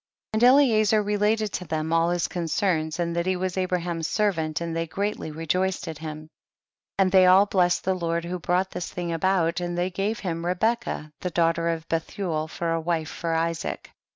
38. And Eliezer related to them all his concerns, and that he was Abraham's servant, and they gi eatly rejoiced at him. 39. And they all blessed the Lord who brought this thing about, and they gave him Rebecca, the daugh ter of Bethuel, for a wife for Isaac.